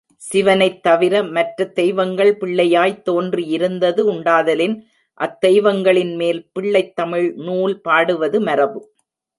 சிவனைத் தவிர மற்ற தெய்வங்கள் பிள்ளையாய்த் தோன்றியிருந்தது உண்டாதலின், அத்தெய்வங்களின் மேல் பிள்ளைத் தமிழ் நூல் பாடுவது மரபு.